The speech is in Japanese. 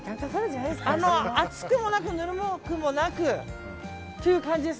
あの、熱くもなくぬるくもなくという感じです。